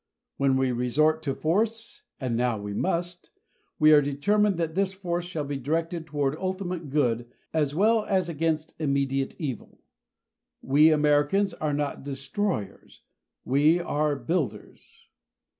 When we resort to force, as now we must, we are determined that this force shall be directed toward ultimate good as well as against immediate evil. We Americans are not destroyers we are builders.